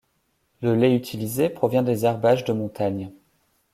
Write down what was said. Le lait utilisé provient des herbages de montagnes.